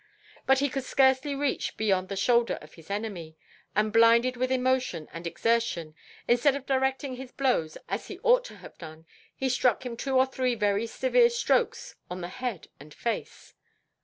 But he could scarcely reach beyond the shoulder of his enemy, and blinded with emotion and exertion, instead of directing his blows as he ought to have done, he struck him two or three very severe strokes on the head and face.